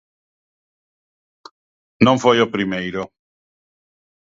Non foi o primeiro.